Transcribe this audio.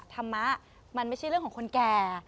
ธรรมะมันไม่ใช่เรื่องของคนแก่